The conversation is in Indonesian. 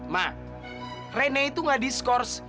ma rene itu nggak diskors